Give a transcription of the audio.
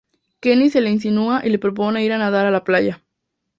Kenny se le insinúa y le propone ir a nadar a la playa.